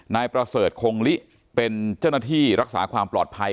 นายประเสริฐคงลิเป็นเจ้าหน้าที่รักษาความปลอดภัย